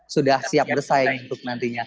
sudah siap bersaing untuk nantinya